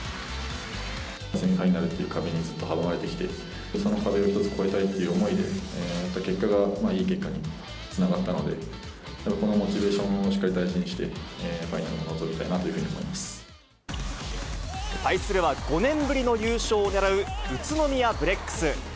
セミファイナルっていう壁にずっと阻まれてきていて、その壁を越えたいっていう思いで、やった結果がいい結果につながったので、このモチベーションをしっかり大事にして、対するは５年ぶりの優勝をねらう宇都宮ブレックス。